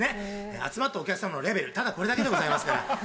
集まったお客様のレベル、ただこれだけでございますから。